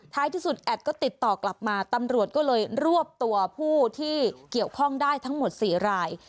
ที่สุดแอดก็ติดต่อกลับมาตำรวจก็เลยรวบตัวผู้ที่เกี่ยวข้องได้ทั้งหมด๔ราย